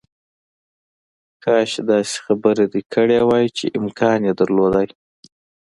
کاش داسې خبره دې کړې وای چې امکان یې درلودای